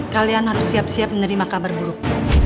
kalian harus siap siap menerima kabar buruk